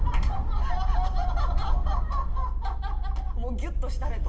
もうギュッとしたれと。